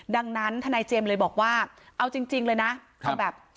ดังนั้นทนายเจมส์เลยบอกว่าเอาจริงเลยนะคือแบบ